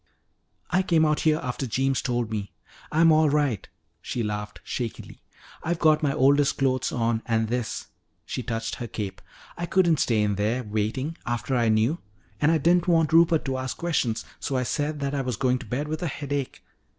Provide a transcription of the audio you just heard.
"I came out here after Jeems told me. I'm all right." She laughed shakily. "I've got my oldest clothes on and this," she touched her cape. "I couldn't stay in there waiting after I knew. And I didn't want Rupert to ask questions. So I said that I was going to bed with a headache.